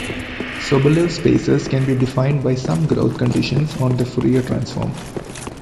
Sobolev spaces can be defined by some growth conditions on the Fourier transform.